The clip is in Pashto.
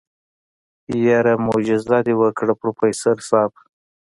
يره موجيزه دې وکړه پروفيسر صيب.